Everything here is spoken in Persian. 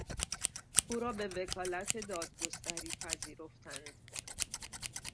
او را به وکالت دادگستری پذیرفتند.